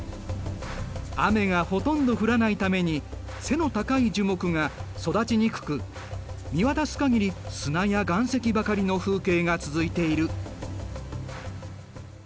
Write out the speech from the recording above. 雨がほとんど降らないために背の高い樹木が育ちにくく見渡す限り砂や岩石ばかりの風景が続いている。